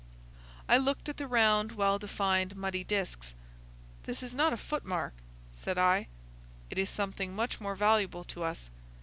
I looked at the round, well defined muddy discs. "This is not a footmark," said I. "It is something much more valuable to us.